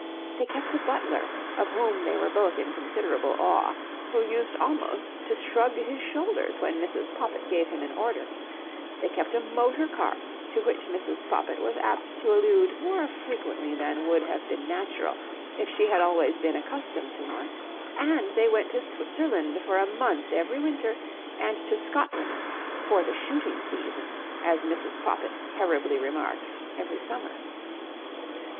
They kept a butler, of whom they were both in considerable awe, who used almost to shrug his shoulders when Mrs. Poppit gave him an order: they kept a motor car to which Mrs. Poppit was apt to allude more frequently than would have been natural if she had always been accustomed to one, and they went to Switzerland for a month every winter and to Scotland "for the shooting season", as Mrs. Poppit terribly remarked, every summer.